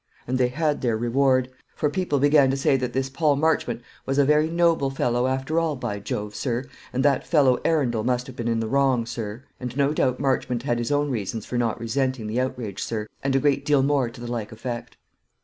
And they had their reward; for people began to say that this Paul Marchmont was a very noble fellow, after all, by Jove, sir and that fellow Arundel must have been in the wrong, sir; and no doubt Marchmont had his own reasons for not resenting the outrage, sir; and a great deal more to the like effect.